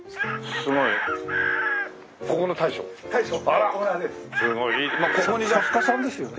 すごい。作家さんですよね？